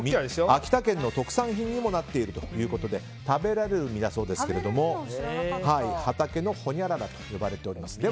秋田県の特産品にもなっているということですが食べられる実だそうですが畑のほにゃららと呼ばれています。